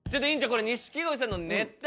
この錦鯉さんのネタ